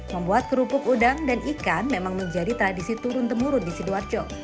membuat kerupuk udang dan ikan memang menjadi tradisi turun temurun di sidoarjo